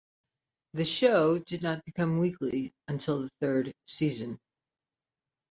The show did not become weekly until the third season.